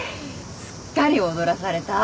すっかり踊らされた。